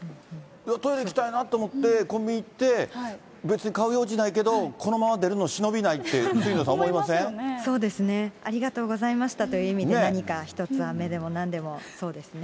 トイレ行きたいなと思って、コンビニ行って、別に買う用事ないけど、このまま出るのしのびないって、そうですね、ありがとうございましたという意味で何か一つ、あめでもなんでも、そうですね。